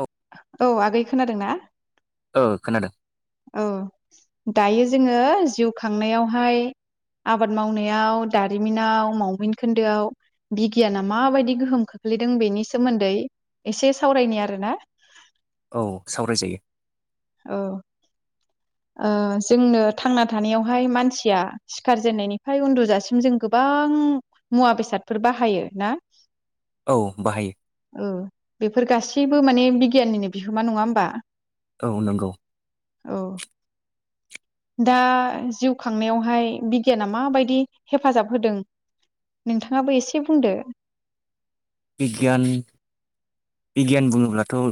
औ औ आगै खोनादों ना ओ खोनादों औ दायो जोङो जिउ खांनायावहाय आबाद मावनायाव दारिमिनाव मावमिन खोन्दोआव बिगियाना माबायदि गोहोम खोख्लैदों बेनि सोमोन्दै एसे सावरायनि आरोना औ सावरायजायो औ ओ जोंनो थांना थानायावहाय मानसिया सिखारजेननायनिफ्राय उन्दुजासिम जों गोबां मुवा बेसादफोर बाहायो ना औ बाहायो औ बेफोर गासि बो माने बिगियाननिनो बिहोमा नङा होमबा औ नंगौ औ दा जिउ खांनायावहाय बिगियाना माबायदि हेफाजाब होदों नोंथाङाबो एसे बुंदो बिगियान बिगियान बुङोब्लाथ'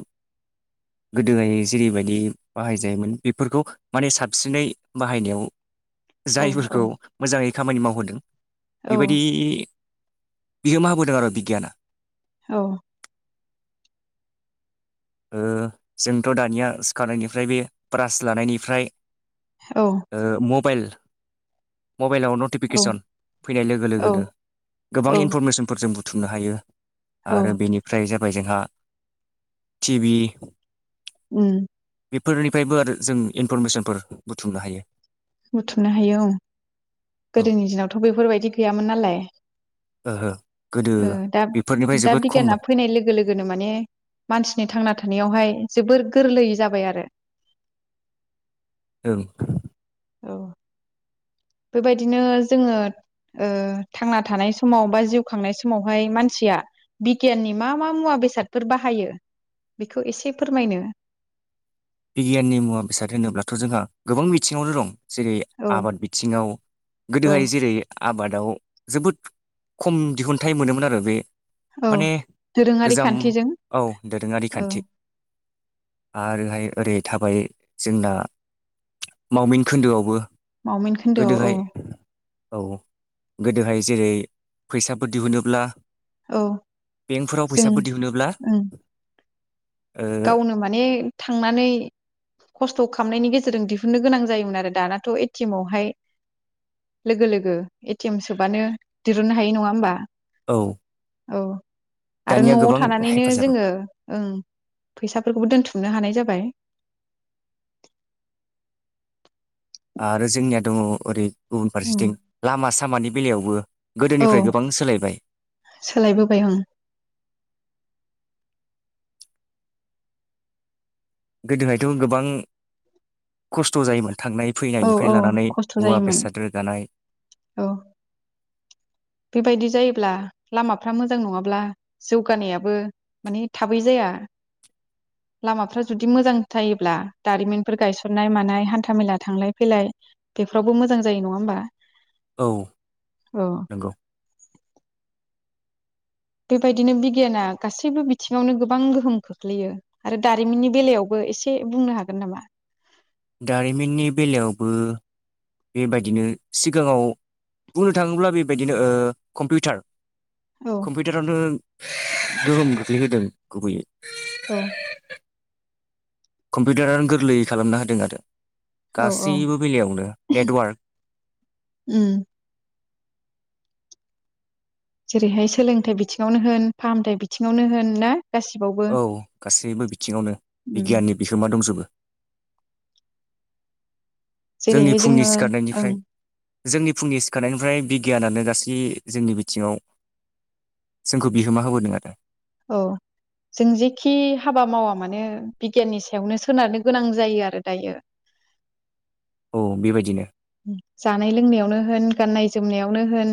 गोदोहाय जेरैबायदि बाहायजायोमोन बेफोरखौ माने साबसिनै बाहायनायाव औ औ जायफोरखौ मोजाङै खामानि मावहोदों औ बेबायदि बिहोमा होबोदों आरो' बिगियाना औ ओ जोंथ' दानिया सिखारनायनिफ्राय बे ब्रास लानायनिफ्राय औ ओ म बाइल मबाइलाव औ नटिफिकेसन फैनाय लोगो औ लोगोनो गोबां औ इनफरमेसनफोरजों बुं थुमनो हायो आरो औ बेनिफ्राय जो बै जोंहा थि भि उम बेफोरनिफ्रायबो आरो जों इनफरमेसनफोर बुथुमनो हायो बुथुमनो हायो औ औ गोदोनि दिनावथ' बेफोरबायदि गैयामोन नालाय ओहो गोदो ओ दा बेफोरनिफ्राय दा जोबोद बिगियाना खममोन फैनाय लोगो लोगोनो माने मानसि नि थांना थानायावहाय जोबोर गोरलै जाबाय आरो ओं औ बेबायदिनो जोङो ओ थांना थानाय समाव बा जिउ खांनाय समावहाय मानसिया बिगियाननि मा मा मुवा बेसादफोर बाहायो बेखौ एसे फोरमायनो बिगियाननि मुवा बेसाद होनोब्लाथ' जोंहा गोबां बिथिङावनो दं जेरै औ आबाद बिथिङाव औ गोदोहाय जेरै आबाद दाव जोबोद खम दिहुनथाइ मोनोमोन आरो बे औ माने दोरोङारि गोजाम खान्थिजों औ दोरोङारि औ खान्थि आरोहाय ओरै थाबाय जोंना मावमिन खोन्दोआवबो मावमिन खोन्दो औ गोदोहाय औ गोदोहाय जेरै फैसाफोर दिहुनोब्ला औ बेंकफोराव जों फैसाफोर दिहुनोब्ला ओं गावनो माने थांनानै खस्थ' खामनायनि गेजेरजों दिहुननो गोनां जायोमोन आरो दानाथ' एटिएम आवहाय लोगो लोगो एटिएम सोबानो दिरुननो हायो नङा होमबा औ औ आरो दानिया न'आव गोबां थानानैनो हेफाजाब जोङो ओं फैसाफोरखौबो दोनथुमनो हानाय जाबाय आरो जोंनिया दङ ओरै गुबुन उम फारसेथिं लामा सा सामानि बेलायावबो औ गोदोनिफ्राय गोबां सोलायबाय सोलायबोबाय आं गोदोहायथ' गोबां खस्थ' जायोमोन थांनाय औ औ फैनायनिफ्राय लानानै खस्थ' मुवा जायोमोन बेसाद रोगानाय औ बेबायदि जायोब्ला लामाफ्रा मोजां नङाब्ला जौगानायाबो माने थाबै जाया लामाफ्रा जुदि मोजां थायोब्ला दारिमिनफोर गायसननाय मानाय हान्था मेला थांलाय फैलाय बेफोरावबो मोजां जायो नङा होमबा औ औ नंगौ बेबायदिनो बिगियाना गासैबो बिथिङावनो गोबां गोहोम खोख्लैयो आरो दारिमिननि बेलायावबो एसे बुंनो हागोन नामा? दारिमिननि बेलायावबो बेबायदिनो सिगाङाव बुंनो थाङोब्ला बेबायदिनो ओ कम्पिउटार औ कम्पिउटारावनो [unintelligible] गोहोम खोख्लैहोदों गुबैयै औ कम्पिउटारानो गोरलैयै खालामना होदों आरो औ औ गासैबो बेलायावनो नेटवार्क उम जेरैहाय सोलोंथाइ बिथिङावनो होन फाहामथाइ बिथिङावनो होन ना गासिबावबो औ गासैबो बिथिङावनो उम बिगियाननि बिहोमा दंजोबो जोंनि जेरैहाय फुंनि जोङो ओं सिखारनायनिफ्राय जोंनि फुंनि सिखारनायनिफ्राय बिगियानानो गासै जोंनि बिथिङाव जोंखौ बिहोमा होबोदों आरो औ जों जेखि हाबा मावा मानो बिगियाननि सायावनो सोनारनो गोनां जायो आरो दायो औ बेबायदिनो जानाय लोंनायावनो होन गाननाय जोमनायावनो होन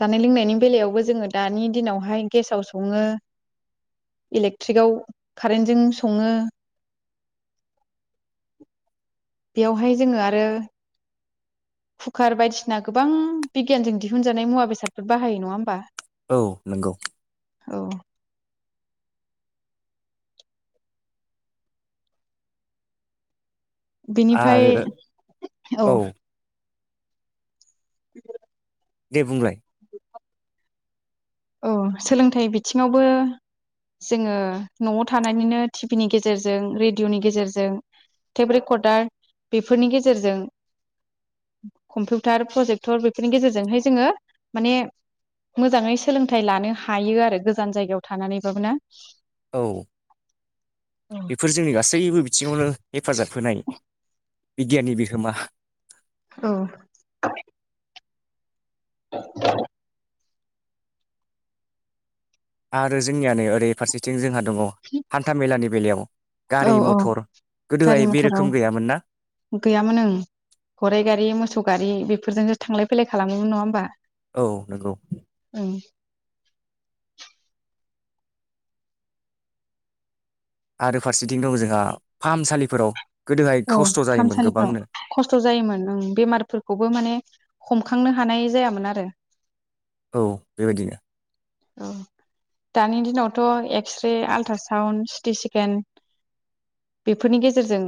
जानाय लोंनायनि बेलायावबो जोङो दानि दिनावहाय गेसाव सङो इलेक्ट्रिकआव कारेन्टजों सङो बेयावहाय जोङो आ रो कुकार बायदिसिना गोबां बिगियानजों दिहुनजानाय मुवा बेसादफोर बाहायो नङा होमबा औ नोंगौ औ बिनिफाय आरो औ [unintelligible] दे बुंलाय औ सोलोंथाइ बिथिङावबो जोङो न'आव थानानैनो टिभि नि गेजेरजों रेडिअ'नि गेजेरजों टेप रेकर्डार बेफोरनि गेजेरजों कम्पिउटार प्रजेक्टर बेफोरनि गेजेरजोंहाय जोङो माने मोजाङै सोलोंथाइ लानो हायो आरो गोजान जायगायाव थानानैबाबो ना? औ औ बेफोर जोंनि गासैबो बिथिङावनो हेफाजाब होनाय बिगियाननि बिहोमा औ [unintelligible] आरो जोंनियानै ओरै फारसेथिं जोंहा दङ हान्था मेलानि बेलायाव औ गारि औ मथर गारि गोदोहाय बे मथर औ रोखोम गैयामोन ना गैयामोन ओं गराइ गारि मोसौ गारि बेफोरजोंनो थांलाय फैलाय खालामोमोन नङा होमबा औ नोंगौ ओं आरो फारसेथिं दं जोंहा फाहामसालिफोराव गोदोहाय औ खस्थ' जायोमोन गोबांनो फाहामसालिफ्राव खस्थ' जायोमोन ओं बेमारफोरखौबो माने खम खांनो हानाय जायामोन आरो औ बेबायदिनो औ दानि दिनावथ' एक्सरे आलट्रासाउन्ड सिटि स्केन बेफोरनि गेजेरजों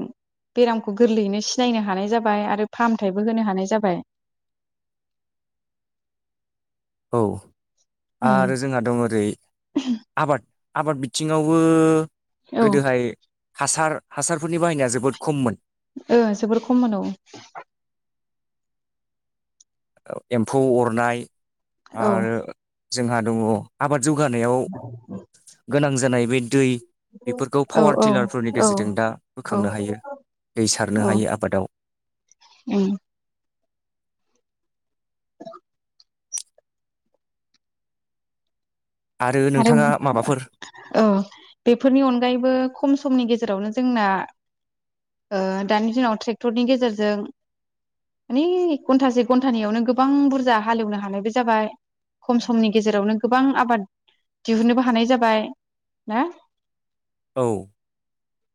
बेरामखौ गोरलैयैनो सिनायनो हानाय जाबाय आरो फाहामथायबो होनो हानाय जाबाय औ ओं आरो जोंहा दं ओरै आबाद आबाद बिथिङावबो औ गोदोहाय हासार हासारफोरनि बाहायनाया जोबोद खममोन ओ जोबोर खममोन औ ओ एम्फौ अरनाय औ आरो जोंहा दङ आबाद जौगानायाव गोनां जानाय बै दै बेफोरखौ औ पावार औ टिलारफोरनि औ गेजेरजों दा औ बोखांनो हायो दै सारनो औ हायो आबादाव उम [inaudible] आरो नोंथाङा माबाफोर औ बेफोरनि अनगायैबो खम समनि गेजेराव गेरावनो जोंना ओ दानि दिनाव ट्रेक्टरनि गेजेरजों मान घन्टा से घन्टानियावनो गोबां बुरजा हालेवनो हानायबो जाबाय खम समनि गेजेरावनो गोबां आबाद दिहुनोबो हानाय जाबाय ना? औ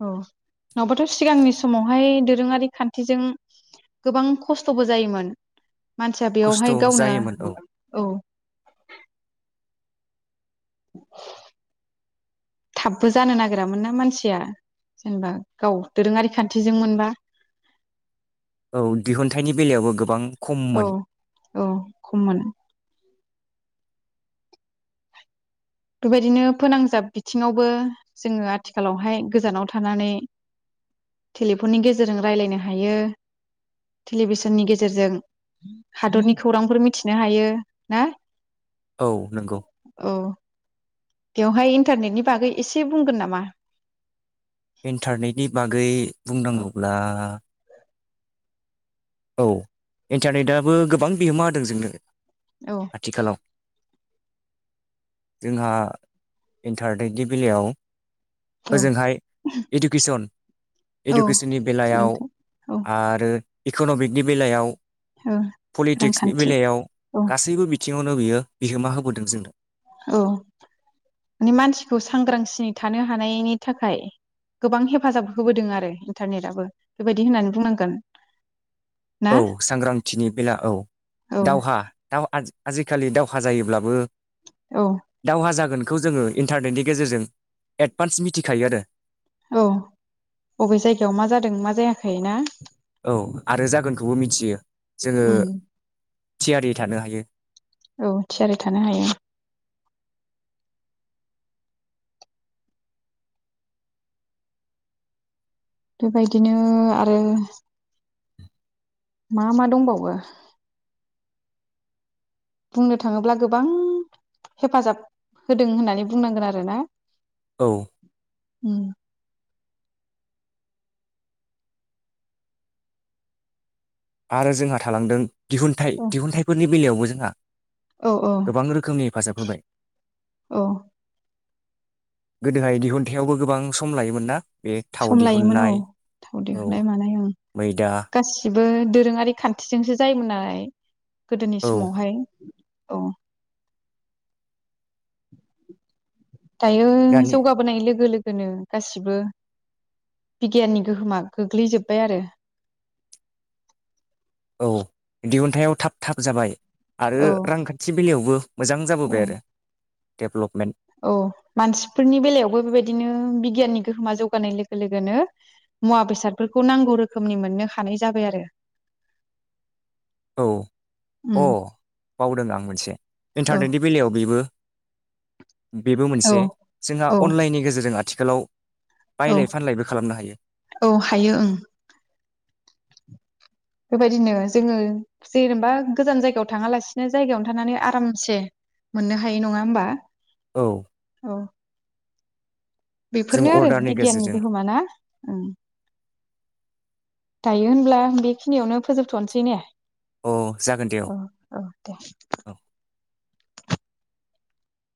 औ नङाबाथ' सिगांनि समावहाय दोरोङारि खान्थिजों गोबां खस्थ'बो जायोमोन। मानसिया खस्थ' बेयावहाय गावनो जायोमोन औ औ। थाबबो जानो नागिरामोन ना मानसिया जेनेबा गाव दोरोङारि खान्थिजों मोनबा। औ दिहुनथाइनि बेलायावबो गोबां औ खममोन। औ खममोन बेबायदिनो फोनांजाब बिथिङावबो जोङो आथिखालावहाय गोजानाव थानानै टेलिफननि गेजेरजों रायलायनो हायो टेलिभिसननि गेजेरजों हादरनि खौरांफोर मिथिनो हायो ना। औ नंगौ औ बेवहाय इन्टारनेटनि बागै एसे बुंगोन नामा? इन्टारनेटनि बागै औ बुंनांगौब्ला औ इन्टारनेटआबो गोबां बिहोमा होदों जोंनो। औ आथिखालाव जोंहा इन्टारनेटनि बेलायाव। औ ओजोंहाय इडुकेसन औ इडुकेसननि बेलायाव सोलोंथाइ औ आरो इक'न'मिकनि बेलायाव औ पलिटिक्सनि रांखान्थि बेलायाव औ गासैबो बि बिथिङावनो बियो बिहोमा होबोदों जोंनो औ माने मानसिखौ सांग्रांसिय थानो हानायनि थाखाय गोबां हेफाजाब होबोदों आरो इन्टारनेटआबो बेबायदि होननानै बुंनांगोन। ना औ सांग्रांथिनि बेला औ औ दावहा दाव आ आजिखालि दावहा जायोब्लाबो औ दावहा जागोन। बेखौ जोङो इन्टारनेटनि गेजेरजों एडभान्स मिथिखायो आरो औ बबे जायगायाव मा जादों मा जायाखै ना? औ आरो जागोनखौबो मिथियो जोङो उम थियारि थानो हायो। औ थियारि थानो हायो? बेबायदिनो आरो मा मा दंबावो बुंनो थाङोब्ला गोबां हेफाजाब होदों होननानै बुंनांगोन आरोना। औ उम आरो जोंहा थालांदों दिहुनथाइ दिहुनथाइफोरनि बेलायावबो जोंहा औ औ गोबां रोखोमनि हेफाजाब होबाय औ गोदोहाय दिहुनथायाइावबो गोबां सम लायोमोन ना बे थाव सम लायोमोन औ दिहुननाय थाव औ दिहुननाय मानाय ओं मैदा गासिबो दोरोङारि खान्थिजोंसो जायोमोन नालाय गोदोनि औ समावहाय अ दायो दानि जौगाबोनाय लोगो लोगो दोनो गासिबो बिगियाननि गोहोमा गोग्लैजोब्बाय आरो औ दिहुनथायाव थाब थाब जाबाय आरो औ रांखान्थि बेलायावबो मोजां जाबोबाय औ आरो देबलभमेनट औ मानसिफोरनि बेलायावबो बेबायदिनो बिगियाननि गोहोमा जौगानाय लोगो लोगोनो मुवा बेसादफोरखौ नांगौ रोखोमनि मोननो हानाय जाबाय आरो औ उम अ बावदों आं मोनसे औ इन्टारनेटनि बेलायाव बेबो बेबो औ मोनसे जोंहा औ अनलाइननि गेजेरजों आथिं हेलौ औ औ हायो ओं बेबायदिनो जोङो जेनेबा गोजान जायगायाव थाङालासिनो जायगायावनो थानानै आरामसे मोननो हायो नङा होमबा औ बा जों बेफोरनो आरो अर्डारनि बिगियाननि गेजेरजों गोहोमा ना ओं दायो होनब्ला बेखिनियावनो फोजोबथ'नोसै ने अ जागोन दे औ औ दे औ